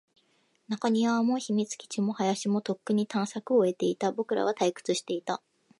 中庭も、秘密基地も、林も、とっくに探索を終えていた。僕らは退屈していた。